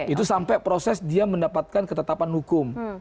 itu sampai proses dia mendapatkan ketetapan hukum